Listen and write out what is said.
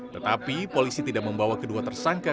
tetapi polisi tidak membawa kedua tersangka